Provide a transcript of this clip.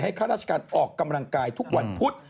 ข้าราชการออกกำลังกายทุกวันพุธ